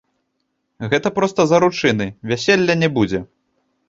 Гэта проста заручыны, вяселля не будзе.